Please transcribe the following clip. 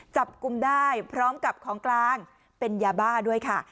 จับกลุ่มได้พร้อมกับของกลางเป็นยาบ้าด้วยค่ะ